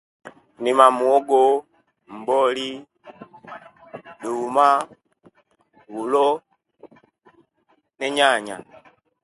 Nnima muwogo, nboli, duma, bulo, ne nyanya